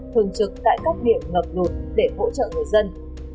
thường trực tại các điểm ngập lụt để hỗ trợ người dân